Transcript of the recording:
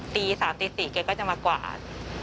ตี๓ตี๔แกก็จะมากวาด